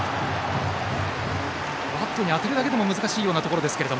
バットに当てるだけでも難しいようなところ。